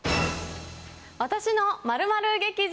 私の○○劇場！